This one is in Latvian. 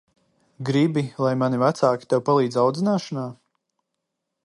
Gribi, lai mani vecāki tev palīdz audzināšanā?